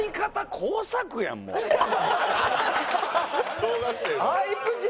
小学生の。